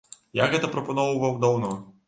Я гэта прапаноўваў даўно.